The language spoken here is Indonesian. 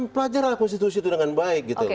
pelajarlah konstitusi itu dengan baik gitu